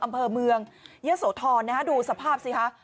อำเพิ่มเมืองเยอะโสธรนะครับดูสภาพสิค่ะ